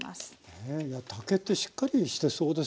ねえいや竹ってしっかりしてそうですね。